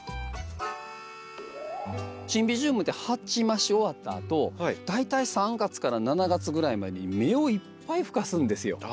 シンビジウムって鉢増し終わったあと大体３月から７月ぐらいまでに芽をいっぱい吹かすんですよ。